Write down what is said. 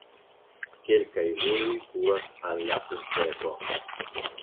Kelkaj vojoj kuras al la urbego.